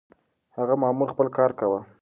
هغه مامور خپل کار کاوه.